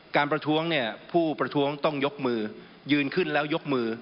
ประท้วงเนี่ยผู้ประท้วงต้องยกมือยืนขึ้นแล้วยกมือ